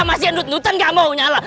masih nut nutan nggak mau nyala